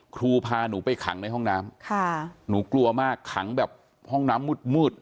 ครูพาหนูไปขังในห้องน้ำค่ะหนูกลัวมากขังแบบห้องน้ำมืด